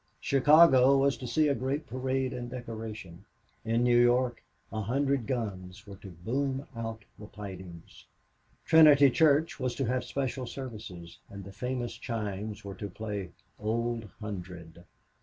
Chicago was to see a great parade and decoration. In New York a hundred guns were to boom out the tidings. Trinity Church was to have special services, and the famous chimes were to play "Old Hundred."